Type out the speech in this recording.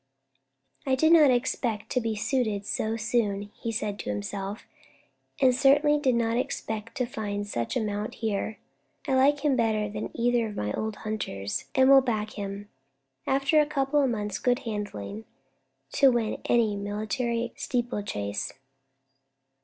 "I did not expect to be suited so soon," he said to himself, "and certainly did not expect to find such a mount here. I like him better than either of my old hunters, and will back him, after a couple of months' good handling, to win any military steeplechase.